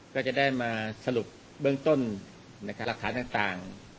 ก็จะได้มาสรรุปเบื้องต้นนะคะรักษาต่างต่าง